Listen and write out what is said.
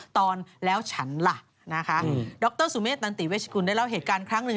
ตอนแล้วฉันล่ะนะคะดรสุเมษตันติเวชกุลได้เล่าเหตุการณ์ครั้งหนึ่ง